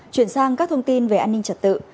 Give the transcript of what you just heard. chuyển sang các thông tin về an ninh trật tự